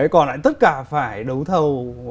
còn lại tất cả phải đấu thầu